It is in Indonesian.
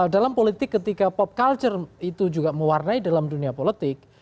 dalam politik ketika pop culture itu juga mewarnai dalam dunia politik